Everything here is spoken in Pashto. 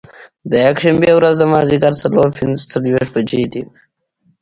د یکشنبې ورځ د مازدیګر څلور پنځه څلوېښت بجې دي.